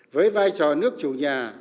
với vai trò nước chủ nhà